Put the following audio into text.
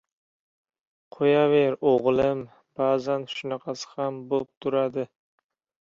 — Qo‘yaver, o‘g‘lim. Ba’zan shunaqasi ham bo‘p turadi.